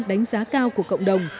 đánh giá cao của cộng đồng